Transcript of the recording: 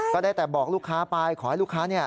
ก็ได้แต่บอกลูกค้าไปขอให้ลูกค้าเนี่ย